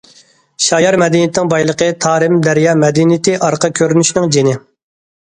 شايار مەدەنىيىتىنىڭ بايلىقى تارىم دەريا مەدەنىيىتى ئارقا كۆرۈنۈشىنىڭ جېنى.